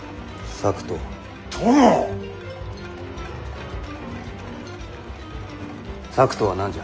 策とは何じゃ。